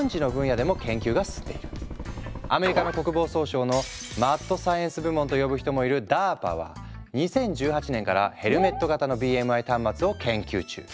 更にアメリカ国防総省のマッドサイエンス部門と呼ぶ人もいるＤＡＲＰＡは２０１８年からヘルメット型のＢＭＩ端末を研究中。